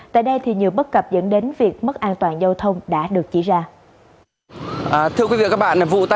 tại đây thì nhiều bất cập dẫn đến việc mất an toàn giao thông đã được chỉ ra